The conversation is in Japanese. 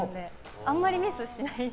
あんまりミスしない。